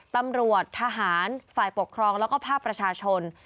ตำรวจทหารฝ่ายปกครองแล้วก็ภาคประชาชน